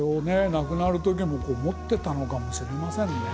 亡くなるときも持ってたのかもしれませんね。